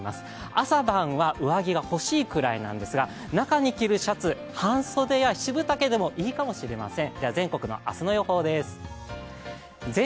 朝晩は上着が欲しいくらいなんですが中に着るシャツ、半袖や七分丈でもいいかもしれません。